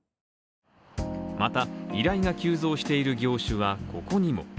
また依頼が急増している業種はここにも。